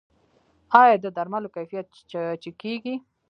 آیا د درملو کیفیت چک کیږي؟